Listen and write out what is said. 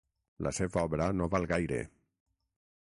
La seva obra no val gaire.